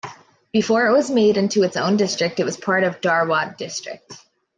Before it was made into its own district, it was part of Dharwad District.